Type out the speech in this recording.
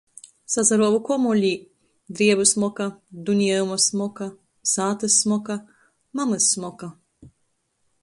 Sasaruovu komulī, driebu smoka, duniejuma smoka, sātys smoka, mamys smoka.